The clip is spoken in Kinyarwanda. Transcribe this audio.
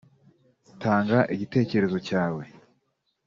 Tanga igitekerezo cyawe